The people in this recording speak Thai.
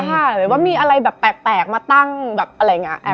หรือว่ามีอะไรแบบแปลกมาตั้งแบบอะไรอย่างนี้